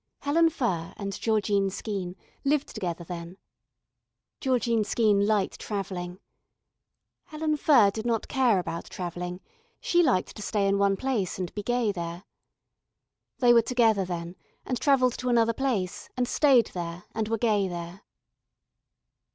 Helen Furr and Georgine Skeene lived together then. Georgine Skeene liked travelling. Helen Furr did not care about travelling, she liked to stay in one place and be gay there. They were together then and travelled to another place and stayed there and were gay there.